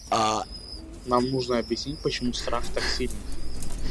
Нам нужно объяснить, почему страх так силен.